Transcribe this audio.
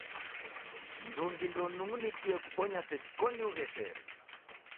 Mndungi ndeunung'unikie kubonya seji koni ugheshere.